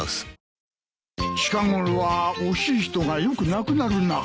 近ごろは惜しい人がよく亡くなるなあ。